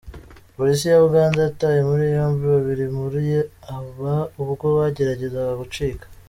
Polisi ya Uganda, yataye muri yombi babiri muri aba ubwo bageragezaga gucika.